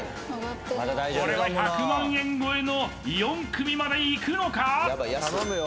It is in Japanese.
これは１００万円超えの４組までいくのか？